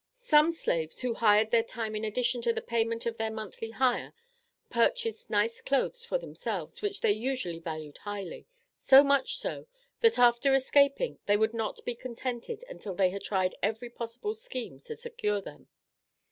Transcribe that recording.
Some slaves who hired their time in addition to the payment of their monthly hire, purchased nice clothes for themselves, which they usually valued highly, so much so, that after escaping they would not be contented until they had tried every possible scheme to secure them.